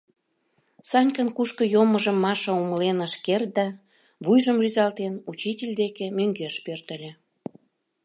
Санькан кушко йоммыжым Маша умылен ыш керт да, вуйжым рӱзалтен, учитель деке мӧҥгеш пӧртыльӧ.